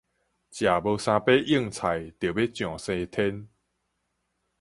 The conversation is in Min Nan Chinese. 食無三把蕹菜著欲上西天